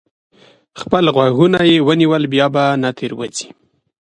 خپل غوږونه یې ونیول؛ بیا به نه تېروځي.